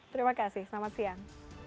terima kasih selamat siang